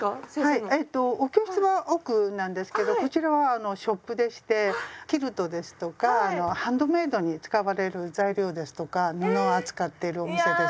はいお教室は奥なんですけどこちらはあのショップでしてキルトですとかハンドメイドに使われる材料ですとか布を扱っているお店です。